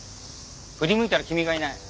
振り向いたら君がいない。